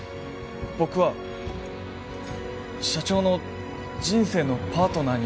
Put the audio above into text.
僕は社長の人生のパートナーになりたいです。